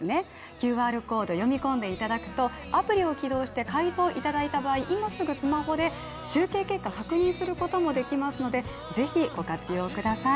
ＱＲコード読み込んでいただくとアプリを起動して回答いただいた場合今すぐスマホで集計結果、確認することもできますので是非、ご活用ください。